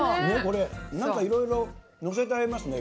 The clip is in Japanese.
なんかいろいろのせてありますね。